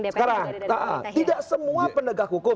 sekarang tidak semua penegak hukum